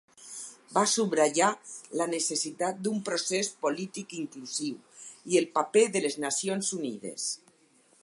Va subratllar la necessitat d'un procés polític inclusiu i el paper de les Nacions Unides.